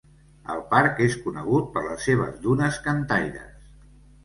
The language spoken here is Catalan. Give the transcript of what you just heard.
El parc és conegut per les seves dunes cantaires.